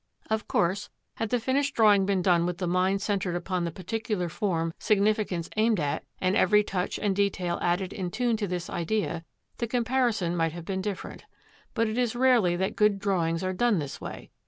Of course, had the finished drawing been done with the mind centred upon the particular form significance aimed at, and every touch and detail added in tune to this idea, the comparison might have been different. But it is rarely that good drawings are done this way.